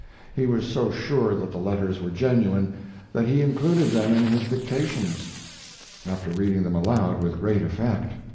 He was so sure that the letters were genuine that he included them in his dictations, after reading them aloud with great effect.